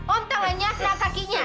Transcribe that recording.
om tangannya dan kakinya ya